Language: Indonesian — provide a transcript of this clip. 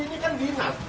tapi ini kan dinas